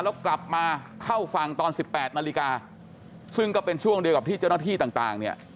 แล้วกลับมาเข้าฝั่งตอนสิบแปดนาฬิกาซึ่งก็เป็นช่วงเดียวกับที่เจ้าหน้าที่ต่างเนี่ย